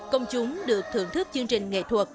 công chúng được thưởng thức chương trình nghệ thuật